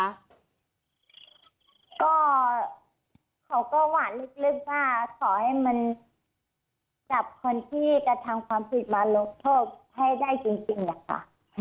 ก็เขาก็หวานลึกว่าขอให้มันจับคนที่กระทำความผิดมาลดโทษให้ได้จริงนะคะ